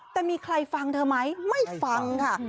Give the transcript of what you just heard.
แต่มีใครฟังเธอไหมไม่ฟังค่ะ